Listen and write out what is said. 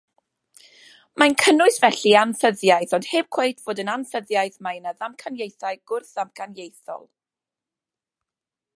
Mae'n cynnwys, felly, anffyddiaeth, ond heb cweit fod yn anffyddiaeth mae yna ddamcaniaethau gwrth-ddamcaniaethol.